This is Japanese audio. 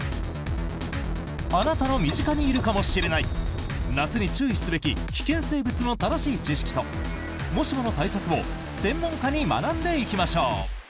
あなたの身近にいるかもしれない夏に注意すべき危険生物の正しい知識と、もしもの対策を専門家に学んでいきましょう！